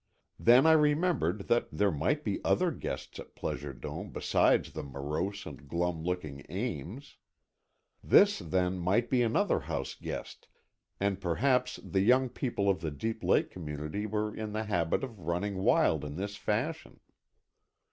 Then I remembered that there might be other guests at Pleasure Dome besides the morose and glum looking Ames. This, then, might be another house guest, and perhaps the young people of the Deep Lake community were in the habit of running wild in this fashion.